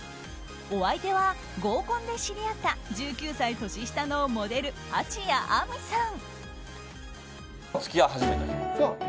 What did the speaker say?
お相手は、合コンで知り合った１９歳年下のモデル蜂谷晏海さん。